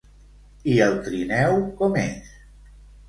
I el trineu, com és?